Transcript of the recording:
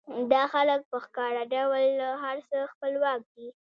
دا خلک په ښکاره ډول له هر څه خپلواک دي